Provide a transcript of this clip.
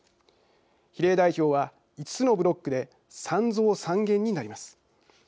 比例代表は、５つのブロックで３増３減になります。